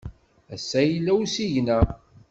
Ass-a, yella usigna.